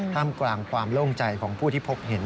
มกลางความโล่งใจของผู้ที่พบเห็น